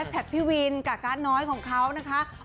แท็กพี่วินกับการ์ดน้อยของเขานะคะ